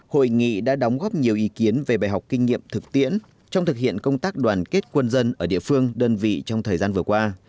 hội nghị đã đóng góp nhiều ý kiến về bài học kinh nghiệm thực tiễn trong thực hiện công tác đoàn kết quân dân ở địa phương đơn vị trong thời gian vừa qua